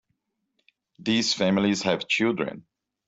These families have children.